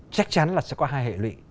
chắc chắn là sẽ có hai hệ lụy